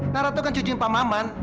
nara tuh kan cucin pak maman